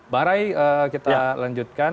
bang rai kita lanjutkan